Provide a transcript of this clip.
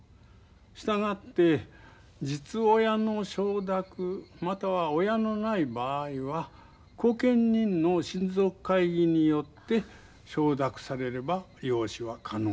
したがって実親の承諾または親のない場合は後見人の親族会議によって承諾されれば養子は可能になります。